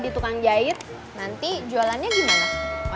berarti jualannya gimana